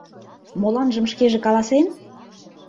Моланжым шкеже каласен?